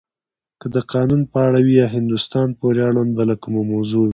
که د قانون په اړه وی یا هندوستان پورې اړونده بله کومه موضوع وی.